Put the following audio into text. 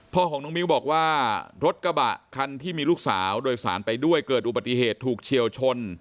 พ่อของน้องมิ้วบอกว่ารถกระบะคันที่มีลูกสาวโดยสารไปด้วยเกิดอุบัติเหตุถูกเฉียวชน